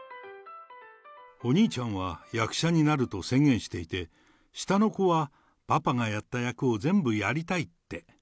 お兄ちゃんは役者になると宣言していて、下の子は、パパがやった役を全部やりたいって。